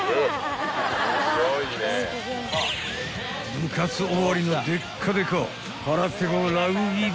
［部活終わりのでっかでか腹ペコ］